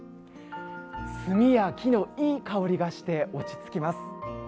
墨や木のいい香りがして落ち着きます。